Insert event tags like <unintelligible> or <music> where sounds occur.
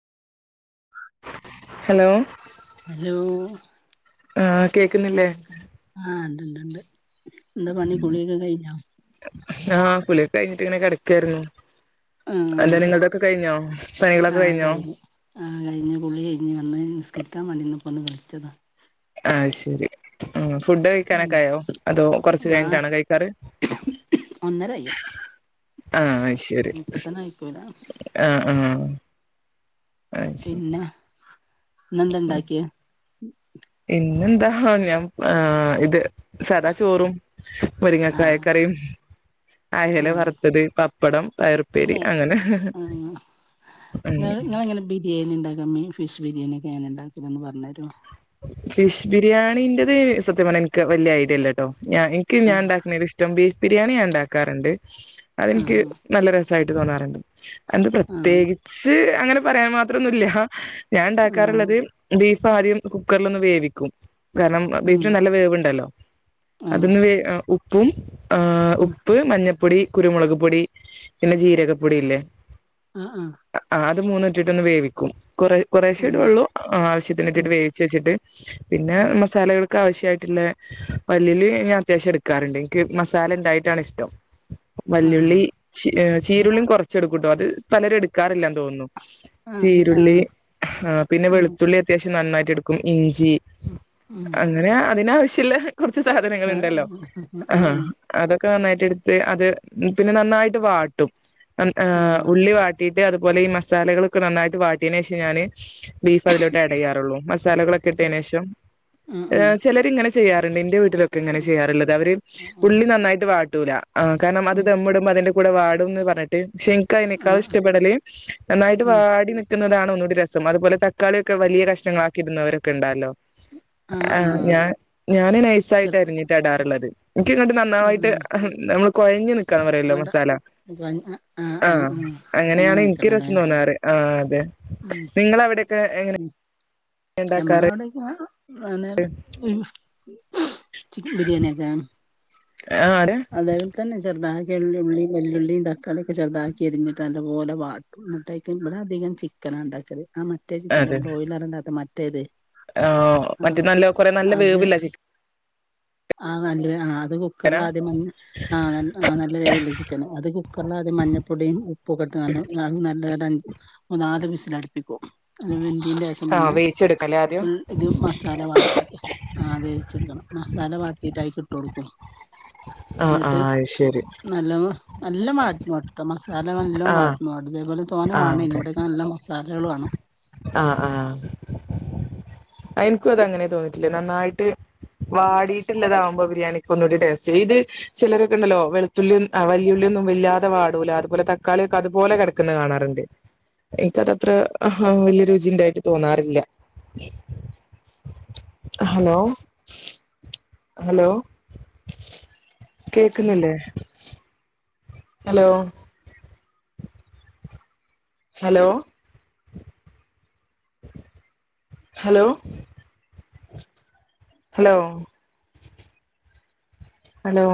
hello hello ആഹ് കേക്കുന്നില്ലേ ആഹ് ഇണ്ട്ണ്ട് ണ്ട് എന്താ പണി കുളിയൊക്കെ കഴിഞ്ഞോ ആഹ് കുളിയൊക്കെ കഴിഞ്ഞിട്ട് ഇങ്ങനെ കെടക്കായിരുന്നു ആഹ് പണികളൊക്കെ ആഹ് കഴിഞ്ഞോ കഴിഞ്ഞ് ആഹ് കഴിഞ്ഞ് കുളി കഴിഞ്ഞു വന്ന് നിസ്കരിക്കാൻ വണ്ടിനിന്നപ്പോ ഒന്ന് വിളിച്ചതാ ആഹ് ശരി ഉം ഫുഡ് ഉം കഴിക്കാനൊക്കെ ആയോ അതോ കുറച്ച് വാ കഴിഞ്ഞിട്ടണോ കഴിക്കാറ് ഒന്നര കയ്യും ആഹ് ശരി ഇപ്പ തന്നെ ആയിക്കൂല ആഹ് ആഹ് അത് ശരി പിന്നെ ഇന്നെന്താണ്ടാക്കിയെ ഉം പിന്നെന്താ ഞാൻ ഇത് സദാ ചോറും ആഹ് മുരിങ്ങക്കായക്കറിയും അയല ആഹ് വറുത്തത് പപ്പടം പയർപ്പേരി പിന്നെ അങ്ങനെ ആഹ് ഉം മ്മി ഫിഷ് ബിരിയാണിൊക്കെങ്ങനെ പറഞ്ഞ് തരൊ ഫിഷ് ബിരിയാണിൻ്റെത് സത്യം പറഞ്ഞ ഇൻക്ക് വല്യ ഐഡിയല്ല്യട്ടോ ഞാ എനിക്കും ഞാൻ ഇണ്ടാക്ക്ണേല് ഇഷ്ടം ബീ ബിരിയാണി ഇണ്ടാക്കാറ്ണ്ട് അതെനിക്ക് ആഹ് നല്ല രസ ആയിട്ട് തോന്നാറുണ്ട് എന്ത് ആഹ് പ്രത്യേകിച്ച് അങ്ങനെ പറയാൻ മാത്രൊന്നുല്ല ഞാൻ ആഹ് ഉണ്ടാക്കാറുള്ളത് ബീഫ് ഫാദ്യം കുക്കറിൽ ഒന്ന് വേവിക്കും കാരണം ഉം ബീഫിന് നല്ല വേവുണ്ടല്ലോ ആഹ് അതൊന്ന് വേവ് ഉ പ്പും ആഹ് ഉം ഉപ്പ് മഞ്ഞ പ്പൊടി കുരുമുളക് പൊടി പിന്നെ ജീരകപ്പൊടി ഇല്ലേ ആഹ് ആഹ് ത് മൂന്നും ഇട്ടിട്ടൊന്ന് വേവിക്കും കൊറേ കൊറേഷേ ഉം ഇടൊള്ളൂ ഉം ആവശ്യത്തിനിട്ടിട്ട് വേ ച്ചെച്ചിട്ട് പിന്നെ ഉം മസാലകൾ ആവശ്യായിട്ടുള്ള വല്ലള്ളി ഞാൻ അത്യാവശ്യം എട്ക്കാറ്ണ്ട് എനിക്ക് മസാല ഇണ്ടായിട്ടാണ് ഇഷ്ടം ആഹ് വല്ലുള്ളി ചി ചീരുള്ളീം കൊറച്ച് എടുക്കും ട്ടൊ അത് പലരും എടുക്കാറില്ലന്ന് തോന്നുന്നു ആഹ് ചീരുള്ളി ആഹ് ആ പിന്നെ ഉം വെളുത്തുള്ളി അത്യാവശ്യം നന്നാ ക്കും ഇ ഞ്ചി ഉം അങ്ങനെ അതിനാവശ് ട്ടില്ല കൊറച്ച് സാധനങ്ങൾ ആ ആ ഇണ്ടല്ലോ ആ ആഹ് അതൊക്കെ നന്നായിട്ട് എട് അത് പിന്നെ നന്നായിട്ട് വാട്ടും ആ ആ ഉള്ളി വാട്ടി അതുപോലെഈ മസാലകളൊക്കെ നന്നായിട്ട് വാട്ടീനേഷം ഞാന് ബീഫ് അതിലോട്ട് ആഡയ്യാറുള്ളൂ മസാലകളൊക്കെ ഇട്ടീനേഷം ആ ഏ ചിലര്ങ്ങനെ ചെയ്യാറുണ്ടെന്റെ വീ ട്ടിലൊക്കെങ്ങനെ ചെയ്യാറുള്ളത് അവര് ഉള്ളി നന്നായിട്ട് വാ <unintelligible> ആഹ് കാരണം അത് നമ്മുടെ മതന്റെ കൂടെ വാടുംന്ന് പറഞ്ഞിട്ട് എനിക്ക് ആ അയ്‌നക്കാളും ഇഷ്ടപ്പെടല് നന്നായിട്ട് വാടി നിക്കുന്നതാണ് ഒന്നൂടി രസം അതുപലെ തക്കാളിയൊക്കെ വലിയ കഷ്ണങ്ങള കിടുന്നവരൊക്കെ ഉണ്ടല്ലോ ആ ഞാ ഞാന് ചെർ നൈസായിട്ടരിഞ്ഞിട്ട ഇടാറുള്ളത് എനിക്ക്ങ്ങട്ട് നന്നായിട്ട് ഉം കൊഴഞ് പറയല്ലോ നല്ല മസാല ആ അങ്ങനെ അങ്ങനെയാണ് എനിക്ക് നിക്കണല്ലേ രസം തോന്നാറ് ആ നിങ്ങളവിടെ എങ്ങനെ എമ്മന ഉണ്ടാക്കാറ് അവിടെക്ക അന്ന ചിക്കൻ ബിരിയാണി ഒക്കെ ആഹ് അതെ അതെപോലെ തന്നെ ചെറുതാ വെള്ളുള്ളിയും വല്ലുള്ളിയും തക്കാളിയൊക്കെ ചെറുതാക്കി അരിഞ്ഞിട്ട് നല്ലതു പോലെ വാട്ടും എന്നിട്ടേക്കും ഇവിടെ അധികം ചിക്കനാണ് ഉണ്ടാക്കിയത് ആ മറ്റേ ചിക്കണ്ട് ബ്രോയിലലർണ്ടാ മ തെ തെ ആഹ മറ്റ നല്ല കൊറെ നല്ല അത് വേവുള്ള ചിക്ക ആ നല്ല ആ അത് കുക്കറൽ ചിക്കനാ ആദ്യം ആ നല്ല രേവില്ല ചിക്കന് അത് കുക്കറില ആദ്യം മഞ്ഞൾപ്പൊടിയും ഉപ്പും ഒക്കെട്ട് നല്ല മൂന്നാല് വിസി ലടുപ്പിക്കും അ വെന്തിീന്റെ വശം ആഹ് പിന്നെ വേവിച്ചെടുക്കല്ലേ ആദ്യം ഫുൾ ഇത് മസാല വാട്ടി ആ വേവിച്ചെടുക്കണം നല്ല വാട്ടീട്ടതിലേക്ക് ഇട്ട കൊടുക്കും ആഹ് എന്നിട്ട് ആഹ് അത് ശരി നല്ല നല്ല വാട്ടുട്ടട്ടോ മസാല നെല്ലാം ആഹ് വാട്ടട്ട അതേപോലെ തോന്ന ആഹ് വണ ഇനിവിടക്കെ നല്ല മസാ സാലകൾ വേണം ആഹ ആഹ എനിക്കും അത അങ്ങനെ തോന്നിയിട്ടില്ല നന്നായിട്ട് വാടിട്ടുള്ളതാകുമ്പോ ബിരിയാണിക്ക് ഒന്നുകൂടി ടേസ്റ്റ് ചെയ ഇത് ചിലരൊക്കെണ്ടല്ലോ വെളുത്തുള്ളി വല്ിയുള്ളിയൊ ഒന്നും ഇല്ലാതെ വാടൂല അതുപോലെ തക്കാളിയൊക്കെ അതുപോലെ കിടക്കുന്നത് കാണാറുണ്ട് എനിക്കതത്ര ആ വലിയ രുചിണ്ടായിട്ട് തോന്നാറില്ല ഹലോ ഹലോ കേക്കുന്നില്ലേ hello hello hello hello hello